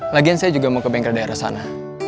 lagian saya juga mau ke bengkel daerah sana